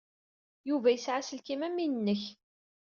Yuba yesɛa aselkim am win-nnek.